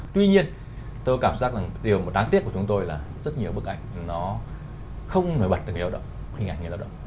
tuy nhiên tôi cảm giác là điều đáng tiếc của chúng tôi là rất nhiều bức ảnh nó không nổi bật từng hình ảnh người lao động